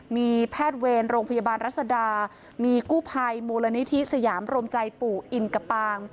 มีแพทย์เวรโรงพยาบาลรัศดามีกู้ภัยมูลนิธิสยามรวมใจปู่อินกะปาง